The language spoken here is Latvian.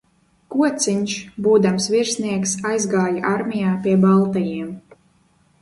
Kociņš, būdams virsnieks, aizgāja armijā pie baltajiem.